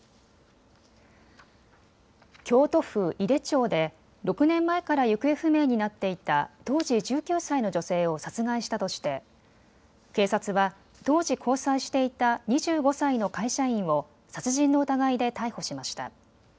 京都府井手町で６年前から行方不明になっていた当時１９歳の女性を殺害したとして警察は当時、交際していた２５歳の会社員を殺人の疑いで逮捕しました。